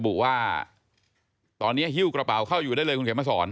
ว่าตอนนี้หิ้วกระเป๋าเข้าอยู่ได้เลยคุณเขียนมาสอน